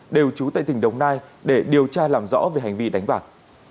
đều trú tại tỉnh đồng nai để điều tra làm rõ về hành vi đánh bạc